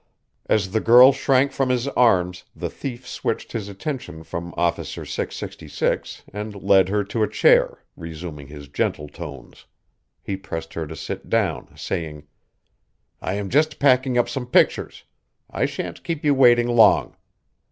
As the girl shrank from his arms the thief switched his attention from Officer 666 and led her to a chair, resuming his gentle tones. He pressed her to sit down, saying: "I am just packing up some pictures. I shan't keep you waiting long.